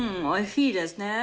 おいしいですね。